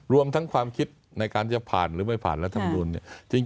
รวมทั้งความคิดในการจะผ่านหรือไม่ผ่านรัฐมนุนเนี่ย